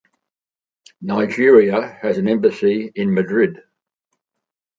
Nigeria has an embassy in Madrid.